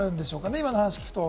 今の話を聞くと。